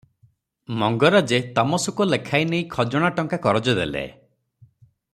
ମଙ୍ଗରାଜେ ତମସୁକ ଲେଖାଇନେଇ ଖଜଣା ଟଙ୍କା କରଜ ଦେଲେ ।